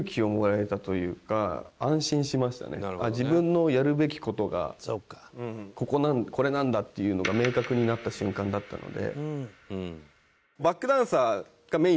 自分のやるべき事がここなんだこれなんだっていうのが明確になった瞬間だったので。